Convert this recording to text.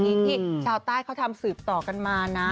ที่ชาวใต้เขาทำสืบต่อกันมานะ